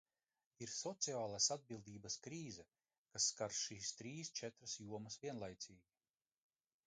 Ir sociālās atbildības krīze, kas skar šīs trīs četras jomas vienlaicīgi.